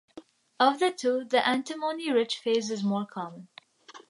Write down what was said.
Of the two, the antimony rich phase is more common.